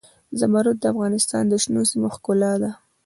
زمرد د افغانستان د شنو سیمو ښکلا ده.